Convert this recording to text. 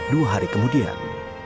dua hari kemudian